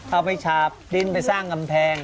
เอาไปฉาบดินไปสร้างกำแพง